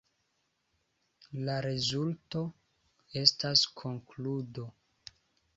La rezulto estas konkludo.